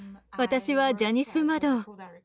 私はジャニス・ナドウ。